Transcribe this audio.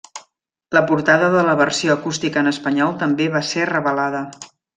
La portada de la versió acústica en espanyol també va ser revelada.